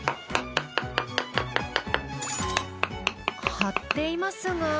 貼っていますが。